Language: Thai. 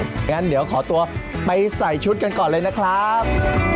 อย่างนั้นเดี๋ยวขอตัวไปใส่ชุดกันก่อนเลยนะครับ